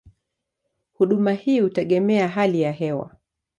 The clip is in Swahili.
Huduma hii hutegemea hali ya hewa.